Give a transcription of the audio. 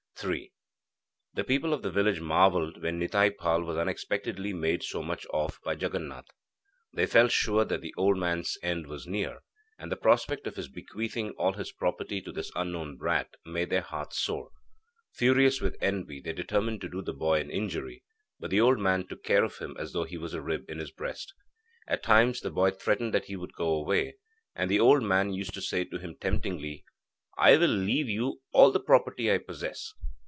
III The people of the village marvelled when Nitai Pal was unexpectedly made so much of by Jaganath. They felt sure that the old man's end was near, and the prospect of his bequeathing all his property to this unknown brat made their hearts sore. Furious with envy, they determined to do the boy an injury, but the old man took care of him as though he was a rib in his breast. At times, the boy threatened that he would go away, and the old man used to say to him temptingly: 'I will leave you all the property I possess.'